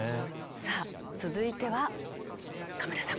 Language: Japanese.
さあ続いては亀田さん。